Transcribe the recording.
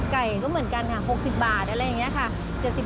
ไก่ก็เหมือนกันค่ะ๖๐บาทอะไรอย่างนี้ค่ะ